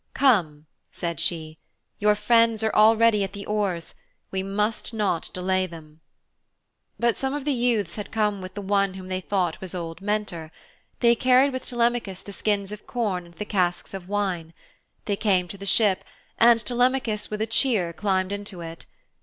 'Come,' said she, 'your friends are already at the oars. We must not delay them.' But some of the youths had come with the one whom they thought was old Mentor. They carried with Telemachus the skins of corn and the casks of wine. They came to the ship, and Telemachus with a cheer climbed into it.